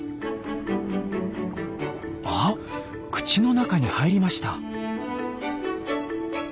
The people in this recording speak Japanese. あ口の中に入りました。